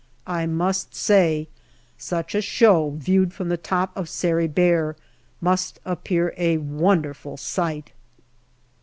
I must say such a show, viewed from the top of Sari Bair, must appear a wonderful sight.